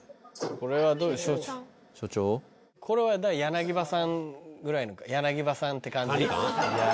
これは柳葉さんくらいの柳葉さんって感じ？